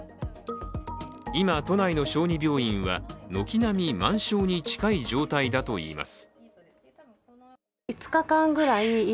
今、都内の小児病院は軒並み満床に近い状態だといいます。